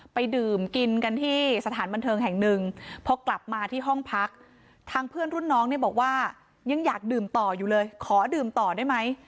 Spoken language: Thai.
ไปดื่มกินกันที่สถานบันเทิงแห่งหนึ่งพอกลับมาที่ห้องพักทางเพื่อนรุ่นน้องเนี่ยบอกว่ายังอยากดื่มต่ออยู่เลยขอดื่มต่อได้ไหม